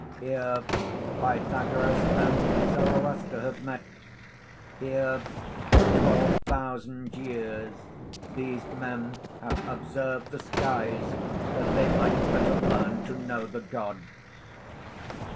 Here Pythagoras and Zoroaster have met; here for twelve thousand years these men have observed the skies that they might better learn to know the gods."